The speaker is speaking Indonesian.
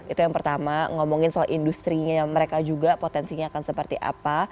itu yang pertama ngomongin soal industri nya mereka juga potensinya akan seperti apa